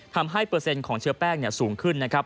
เปอร์เซ็นต์ของเชื้อแป้งสูงขึ้นนะครับ